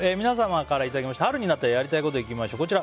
皆さんからいただきました春になったらやりたいこといきましょう。